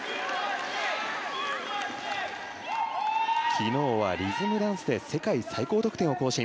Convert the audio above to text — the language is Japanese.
昨日はリズムダンスで世界最高得点を更新。